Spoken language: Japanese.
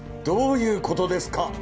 どういう事ですか！？